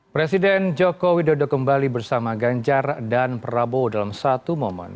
presiden joko widodo kembali bersama ganjar dan prabowo dalam satu momen